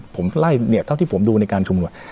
ผมไล่เนี่ยเท่าที่ผมดูในการชุมนุม